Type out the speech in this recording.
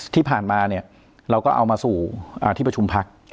ที่ผ่านมาเนี่ยเราก็เอามาสู่ที่ประชุมพัก